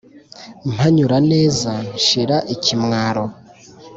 mpanyura neza nshira ikimwaro